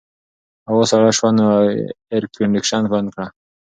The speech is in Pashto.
هوا سړه شوه نو اېرکنډیشن بند کړه.